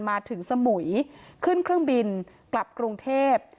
มาถึงสมุยขึ้นเครื่องบินกลับกรุงเทพ